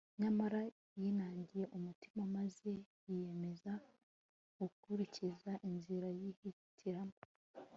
Nyamara yinangiye umutima maze yiyemeza gukurikira inzira yihitiyemo